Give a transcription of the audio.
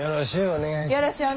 よろしゅう